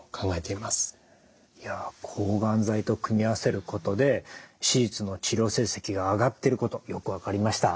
いや抗がん剤と組み合わせることで手術の治療成績が上がっていることよく分かりました。